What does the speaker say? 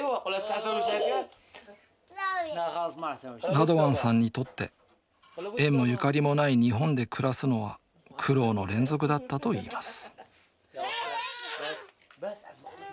ラドワンさんにとって縁もゆかりもない日本で暮らすのは苦労の連続だったといいます